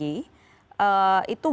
itu gambar gambar yang anda miliki